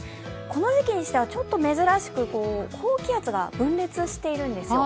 この時期にしてはちょっと珍しく高気圧が分裂しているんですよ。